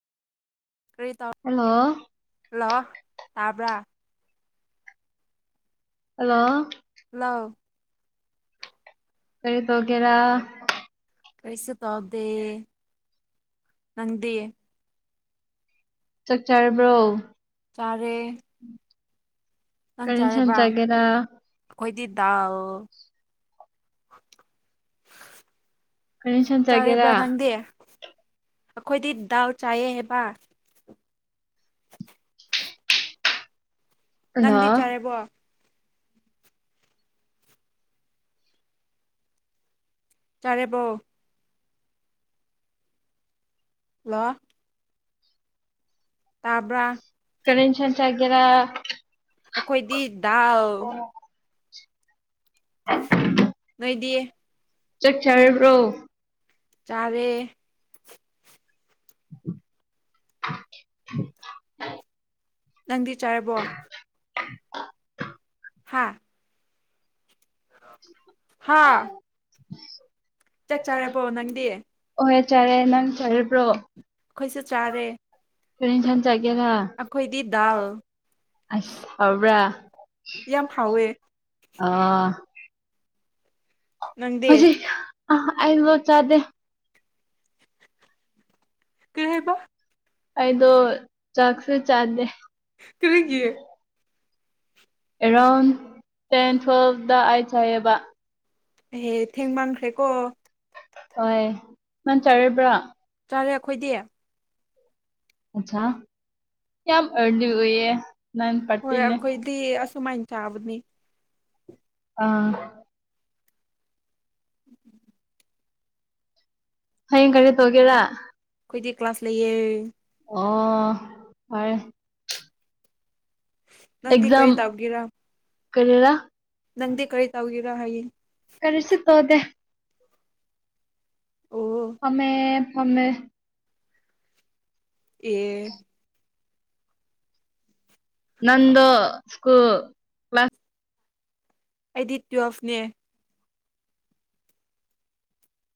ꯀ꯭ꯔꯤ ꯇꯧ hello hello ꯇꯥꯕ꯭ꯔꯥ ꯍꯜꯂꯣ ꯂꯣ ꯀ꯭ꯔꯤ ꯇꯧꯀꯦꯔꯥ ꯀ꯭ꯔꯤꯁꯨ ꯇꯧꯗꯦ ꯅꯪꯗꯤ ꯆꯥꯛ ꯆꯥꯔꯕ꯭ꯔꯣ ꯆꯥꯔꯦ ꯀꯔꯤ ꯏꯟꯁꯥꯡ ꯆꯥꯒꯦꯔꯥ ꯈꯣꯏꯗꯤ ꯗꯥꯜ ꯀꯔꯤ ꯏꯟꯁꯥꯡ ꯆꯥꯔꯦꯕ꯭ꯔꯥ ꯆꯥꯒꯦꯔꯥ ꯅꯪꯗꯤ ꯑꯩꯈꯣꯏꯗꯤ ꯗꯥꯎ ꯆꯥꯏꯌꯦ ꯍꯥꯏꯕ ꯍꯜꯂꯣ ꯅꯪꯗꯤ ꯆꯥꯔꯦꯕꯣ ꯆꯔꯦꯕꯣ ꯂꯣ ꯇꯥꯕ꯭ꯔꯥ ꯀꯔꯤ ꯏꯟꯁꯥꯡ ꯆꯒꯦꯔꯥ ꯑꯈꯣꯏꯗꯤ ꯗꯥꯜ ꯅꯣꯏꯗꯤ ꯆꯛ ꯆꯥꯔꯕ꯭ꯔꯣ ꯆꯥꯔꯦ [inaudible] ꯅꯪꯗꯤ ꯆꯥꯔꯕꯣ [inaudible] ꯍꯥꯥ ꯍꯥ ꯆꯛ ꯆꯥꯔꯕꯣ ꯅꯪꯗꯤ ꯆꯔꯦ ꯅꯪ ꯆꯔꯕ꯭ꯔꯣ ꯈꯣꯏꯁꯨ ꯆꯥꯔꯦ ꯀꯔꯤ ꯢꯟꯁꯥꯡ ꯆꯒꯦꯔ ꯑꯩꯈꯣꯏꯗꯤ ꯗꯥꯜ ꯑꯁ ꯍꯥꯎꯕ꯭ꯔꯥ ꯌꯥꯝ ꯍꯥꯎꯋꯦ ꯑ ꯅꯪꯗꯤ ꯍꯧꯖꯤꯛ ꯑꯥ ꯉꯥ ꯆꯗꯦ ꯀꯔꯤ ꯍꯥꯏꯕ ꯑꯩꯗꯣ ꯆꯥꯛꯁꯨ ꯆꯥꯗꯦ ꯀꯔꯤꯒꯤ ꯊꯦꯡꯀꯤꯌꯨ ꯑꯦꯔꯥꯎꯟ ꯇꯦꯟ ꯇꯨꯋꯦꯜꯐꯇ ꯑꯩꯥꯊꯣꯛꯑꯕ ꯑꯦꯍꯦ ꯊꯦꯡꯃꯟꯈ꯭ꯔꯦꯀꯣ ꯍꯣꯏ ꯉꯪ ꯆꯥꯔꯥꯕ꯭ꯔꯥ ꯈꯣꯏꯗꯤ ꯑꯆꯥ ꯌꯥꯝ ꯑꯔꯂꯤ ꯑꯣꯏꯌꯦ ꯅꯪ ꯍꯣꯏ ꯄꯥꯔꯇꯤꯅꯦ ꯑꯈꯣꯏꯗꯤ ꯑꯁꯨꯃꯥꯏꯟ ꯆꯥꯕꯅꯤ ꯑꯥ [inaudible] ꯍꯌꯦꯡ ꯀꯩꯅꯣ ꯑꯩꯈꯣꯏꯗꯤ ꯇꯧꯒꯦꯔ ꯀ꯭ꯂꯥꯁ ꯂꯩꯌꯦ ꯑꯣ ꯐꯔꯦ ꯅꯪꯗꯤ ꯀꯔꯤ ꯇꯧꯎꯒꯦꯔꯥ ꯀꯥꯔꯤꯔꯥ ꯅꯪꯗꯤ ꯀꯔꯤ ꯇꯥꯎꯒꯦꯔ ꯍꯥꯏꯌꯦ ꯀꯔꯤꯁꯨ ꯇꯣꯗꯦ ꯑꯣ ꯐꯝꯃꯦ ꯐꯝꯃꯦ ꯑꯦ ꯅꯪꯗꯣ ꯁ꯭ꯀꯨꯨꯜ ꯑꯦꯗꯤ ꯇꯨꯋꯦꯜꯐꯅꯦ